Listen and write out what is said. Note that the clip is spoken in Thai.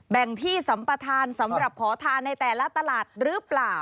แบ่งที่สัมปทานสำหรับขอทานในแต่ละตลาดหรือเปล่า